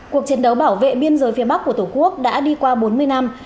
cuộc chiến đấu bảo vệ biên giới phía bắc của tổ quốc đã đi qua bốn mươi năm